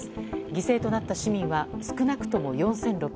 犠牲となった市民は少なくとも４６００人。